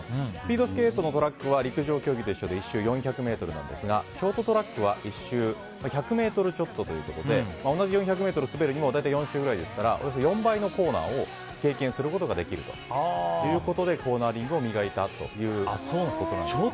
スピードスケートのトラックは陸上競技と一緒で１周４００ｍですがショートトラックは１周１００ｍちょっとということで同じ４００ｍ滑るにも大体４周くらいですからおよそ４倍のコーナーを経験することができるということで、コーナリングを磨いたということです。